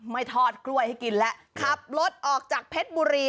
ไม่ทอดกล้วยให้กินแล้วขับรถออกจากเพชรบุรี